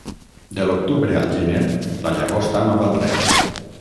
De l'octubre al gener, la llagosta no val res.